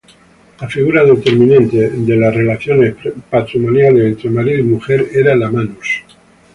La figura determinante de las relaciones patrimoniales entre marido y mujer era la "manus".